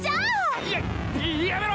ややめろ！